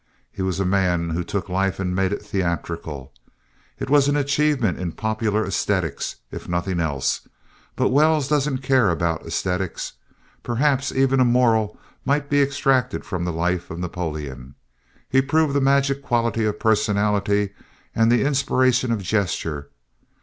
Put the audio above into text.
Here was a man who took life and made it theatrical. It was an achievement in popular æsthetics, if nothing else, but Wells doesn't care about æsthetics. Perhaps even a moral might be extracted from the life of Napoleon. He proved the magic quality of personality and the inspiration of gesture.